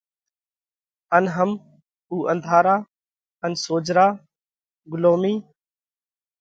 ان هم اُو انڌارا ان سوجھرا، ڳُلومِي